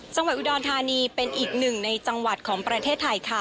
จังหวัดอุดรธานีเป็นอีกหนึ่งในจังหวัดของประเทศไทยค่ะ